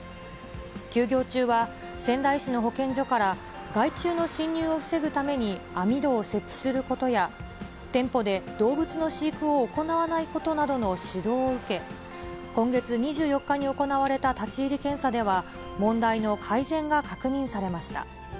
休業中は、仙台市の保健所から、害虫の侵入を防ぐために網戸を設置することや、店舗で動物の飼育を行わないことなどの指導を受け、今月２４日に行われた立ち入り検査では、問題の改善が確認されました。